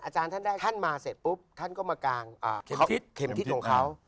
อาจารย์ท่านแรกท่านมาเสร็จปุ๊บท่านก็มากางเข็มทิศของเขา